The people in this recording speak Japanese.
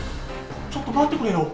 ちょっと待ってくれよ。